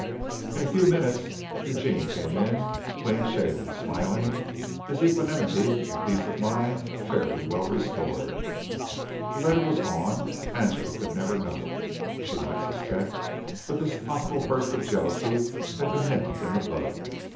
In a few minutes Eugene came in, clean shaven, smiling, his equanimity and peace of mind fairly well restored. The letter was gone. Angela could never know. She might suspect, but this possible burst of jealousy had been nipped in the bud.